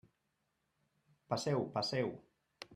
Passeu, passeu.